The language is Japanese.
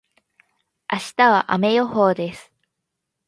明日は雨予報です。